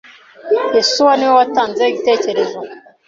Yesuwa niwe watanze igitekerezo.